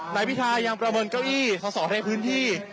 นายพิทายังประเมินเก้าอี้สอสอในพื้นที่